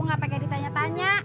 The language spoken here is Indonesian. nggak pakai ditanya tanya